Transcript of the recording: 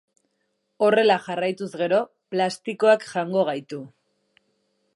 Horrela jarraituz gero plastikoak jango gaitu.